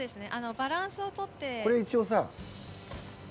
バランスをとって。